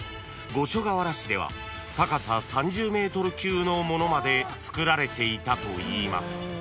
五所川原市では高さ３０ｍ級のものまでつくられていたといいます］